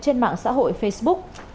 trên mạng xã hội facebook